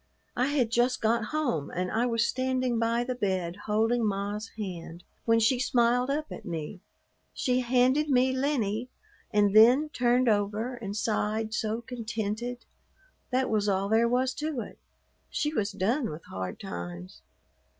I had just got home, and I was standing by the bed holding ma's hand, when she smiled up at me; she handed me Lennie and then turned over and sighed so contented. That was all there was to it. She was done with hard times.